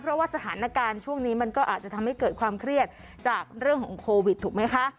เพราะว่าสถานการณ์ช่วงนี้มันก็อาจจะทำให้เกิดความเครียดจากเรื่องของโควิดถูกไหมคะ